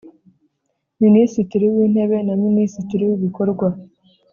Minisitiri w Intebe na Minisitiri w Ibikorwa